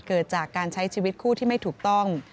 เกิดจากการใช้ชีวิตคู่ที่ไม่ถูกต้อง